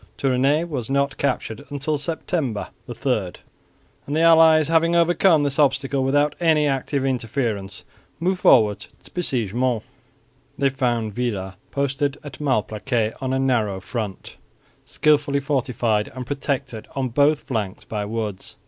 Tournay was not captured until September 3; and the allies, having overcome this obstacle without any active interference, moved forward to besiege Mons. They found Villars posted at Malplaquet on a narrow front, skilfully fortified and protected on both flanks by woods.